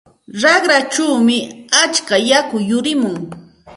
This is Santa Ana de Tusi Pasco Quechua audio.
Raqrachawmi atska yaku yurimun.